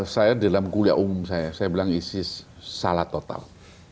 saya dalam kuliah umum saya saya bilang isis salah total